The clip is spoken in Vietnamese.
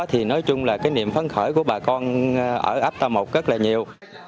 thì nói chung là cái niềm phấn khởi của bà con ở áp tàu một rất là nhiều